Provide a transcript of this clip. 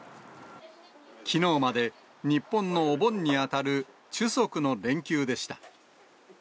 きのうまで、日本のお盆に当たるチュソクの連休でした。